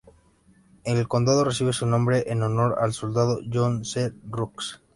El condado recibe su nombre en honor al soldado John C. Rooks.